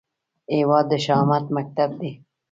هیواد د شهامت مکتب دی